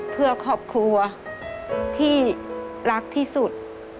เพื่อครอบครัวที่รักที่สุด